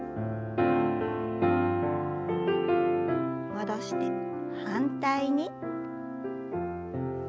戻して反対に。